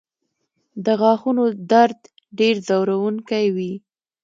د غاښونو درد ډېر ځورونکی وي.